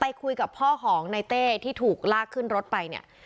คุยกับพ่อของในเต้ที่ถูกลากขึ้นรถไปเนี่ย